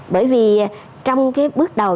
bởi vì trong cái bước đầu